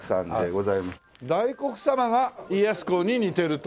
大黒様が家康公に似てると。